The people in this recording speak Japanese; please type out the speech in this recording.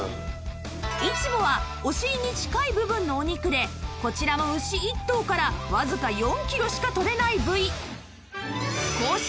イチボはお尻に近い部分のお肉でこちらも牛１頭からわずか４キロしか取れない部位